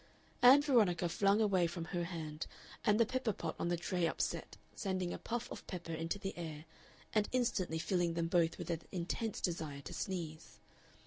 Ann Veronica flung away from her hand, and the pepper pot on the tray upset, sending a puff of pepper into the air and instantly filling them both with an intense desire to sneeze.